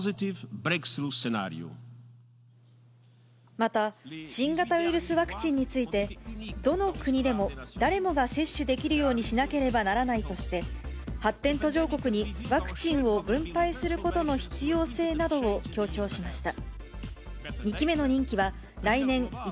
また、新型ウイルスワクチンについて、どの国でも誰もが接種できるようにしなければならないとして、発展途上国にワクチンを分配することの必要性などを強調しました。